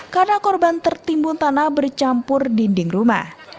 karena korban tertimbun tanah bercampur dinding rumah